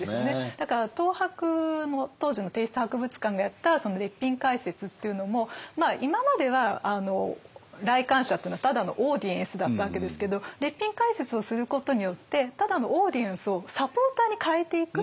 だから東博当時の帝室博物館がやった列品解説っていうのも今までは来館者っていうのはただのオーディエンスだったわけですけど列品解説をすることによってただのオーディエンスをサポーターに変えていく。